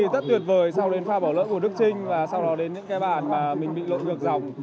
rất tuyệt vời sau đến pha bỏ lỡ của đức trinh sau đó đến những cái bàn mà mình bị lộn ngược dòng